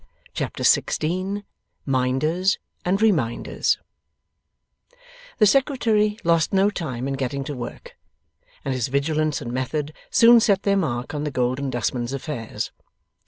Chapter 16 MINDERS AND RE MINDERS The Secretary lost no time in getting to work, and his vigilance and method soon set their mark on the Golden Dustman's affairs.